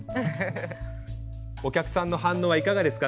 お客さんの反応はいかがですか？